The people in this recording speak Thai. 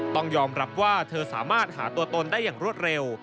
ต้องยอมรับว่าเธอสามารถหาตัวตนได้อย่างรวดเร็ว